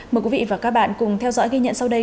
mời quý vị và các bạn cùng theo dõi ghi nhận sau đây